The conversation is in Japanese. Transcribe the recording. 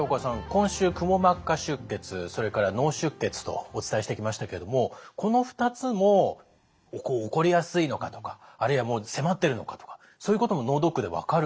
今週くも膜下出血それから脳出血とお伝えしてきましたけれどもこの２つも起こりやすいのかとかあるいはもう迫ってるのかとかそういうことも脳ドックで分かるんですか？